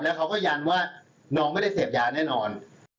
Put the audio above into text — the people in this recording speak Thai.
เขาก็ยันว่าน้องไม่ได้เสพยาแน่นอน